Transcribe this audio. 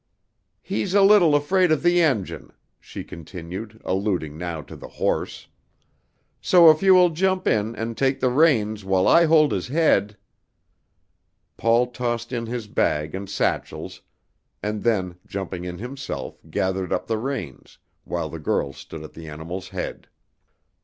"He's a little afraid of the engine," she continued, alluding now to the horse, "so if you will jump in and take the reins while I hold his head " Paul tossed in his bag and satchels, and then jumping in himself gathered up the reins, while the girl stood at the animal's head.